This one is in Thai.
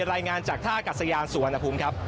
รายงานจากท่ากัศยานสุวรรณภูมิครับ